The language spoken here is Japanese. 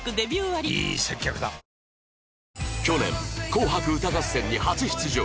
去年『紅白歌合戦』に初出場